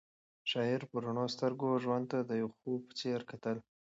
شاعر په رڼو سترګو ژوند ته د یو خوب په څېر کتل.